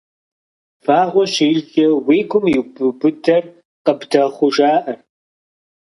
Вагъуэ щижкӏэ уи гум ибубыдэр къыбдэхъуу жаӏэр.